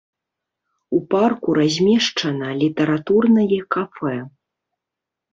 У парку размешчана літаратурнае кафэ.